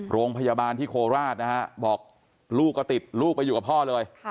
โรงพยาบาลที่โคราชนะฮะบอกลูกก็ติดลูกไปอยู่กับพ่อเลย